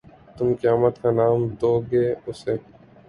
تم قیامت کا نام دو گے اِسے